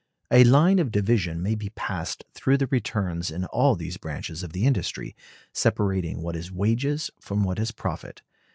A line of division may be passed through the returns in all these branches of the industry, separating what is wages from what is profit.